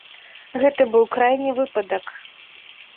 Гэта быў крайні выпадак.